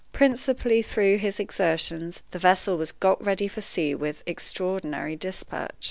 Principally through his exertions, the vessel was got ready for sea with extraordinary dispatch.